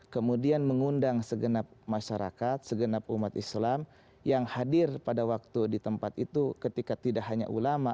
kemudian mengundang segenap masyarakat segenap umat islam yang hadir pada waktu di tempat itu ketika tidak hanya ulama